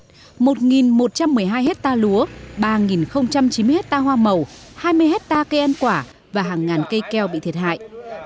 một một trăm một mươi hai ha lúa ba chín mươi ha hoa màu hai mươi ha cây ăn quả và hàng ngàn cây keo bị thiệt hại